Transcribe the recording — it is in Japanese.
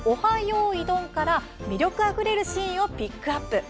よいどん」から魅力あふれるシーンをピックアップ。